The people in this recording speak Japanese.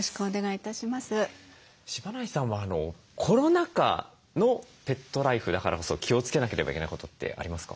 柴内さんはコロナ禍のペットライフだからこそ気をつけなければいけないことってありますか？